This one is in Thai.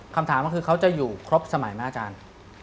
คำถามก็คือเขาจะอยู่ครบสมัยไหมอาจารย์